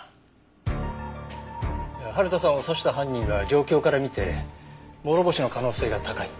春田さんを刺した犯人は状況から見て諸星の可能性が高い。